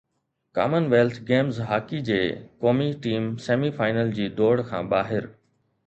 common wealth games hockey جي قومي team semi final جي دوڑ کان ٻاهر